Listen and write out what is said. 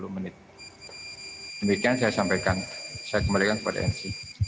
sepuluh menit demikian saya sampaikan saya kembalikan kepada nc